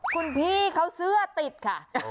คุณพี่เขาเสื้อติดค่ะ